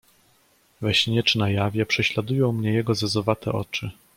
"We śnie czy na jawie prześladują mnie jego zezowate oczy."